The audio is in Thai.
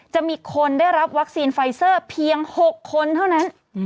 จะมีคนได้รับวัคซีนไฟเซอร์เพียง๖คนเท่านั้น